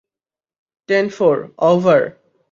Ten-four, over.